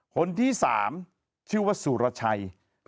คนที่๓ชื่อว่าสุรชัย